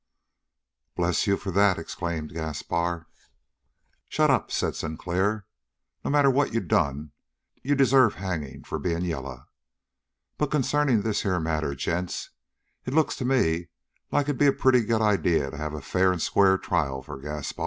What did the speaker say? "Bless you for that!" exclaimed Gaspar. "Shut up!" said Sinclair. "No matter what you done, you deserve hangin' for being yaller. But concerning this here matter, gents, it looks to me like it'd be a pretty good idea to have a fair and square trial for Gaspar."